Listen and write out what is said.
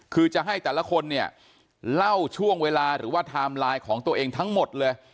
คือจะให้แต่ละคนเนี่ยเล่าช่วงเวลาหรือว่าไทม์ไลน์ของตัวเองทั้งหมดเลย